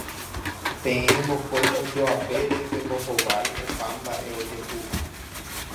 Peẽ mokõi ojoapére pembohovái opa mba'e ojehúva